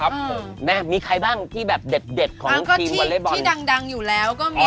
อันก็ที่ดังอยู่แล้วก็มี